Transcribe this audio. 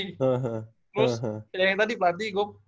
terus yang tadi platik gue pengen